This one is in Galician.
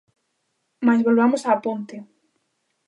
Mais volvamos á ponte.